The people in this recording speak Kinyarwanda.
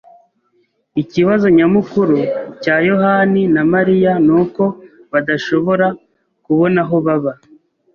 Ikibazo nyamukuru cya yohani na Mariya nuko badashobora kubona aho baba.